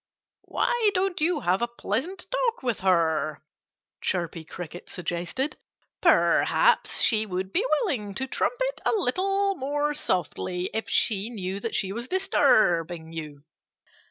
"Why don't you have a pleasant talk with her?" Chirpy Cricket suggested. "Perhaps she would be willing to trumpet a little more softly if she knew that she was disturbing you."